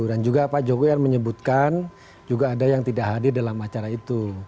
dan juga pak jokowi yang menyebutkan juga ada yang tidak hadir dalam acara itu